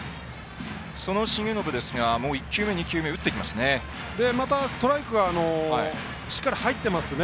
その重信ですが１球目、２球目打っていきますね。